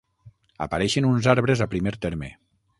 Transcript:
Apareixen uns arbres a primer terme.